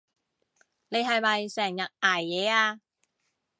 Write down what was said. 你係咪成日捱夜啊？